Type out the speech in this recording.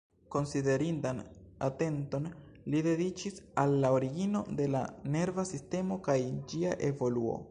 Konsiderindan atenton li dediĉis al la origino de la nerva sistemo kaj ĝia evoluo.